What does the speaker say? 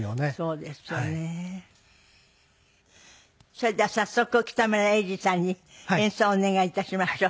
それでは早速北村英治さんに演奏をお願い致しましょう。